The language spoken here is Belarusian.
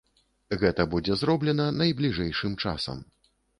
Гэта будзе зроблена найбліжэйшым часам.